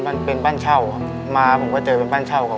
มันเป็นบ้านเช่าครับมาผมก็เจอเป็นบ้านเช่าครับ